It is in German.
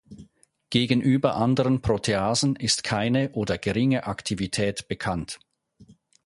Gegenüber anderen Proteasen ist keine oder geringe Aktivität bekannt.